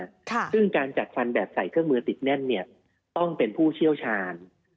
ซึ่งการจัดฟันแบบใส่เครื่องมือติดแน่นเนี่ยต้องเป็นผู้เชี่ยวชาญ